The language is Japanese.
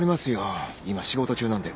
今仕事中なんで。